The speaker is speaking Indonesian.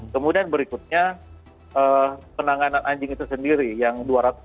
kemudian berikutnya penanganan anjing itu sendiri yang dua ratus